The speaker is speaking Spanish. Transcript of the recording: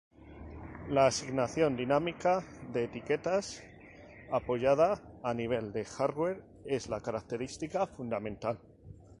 La asignación dinámica de etiquetas apoyada a nivel de hardware es la característica fundamental.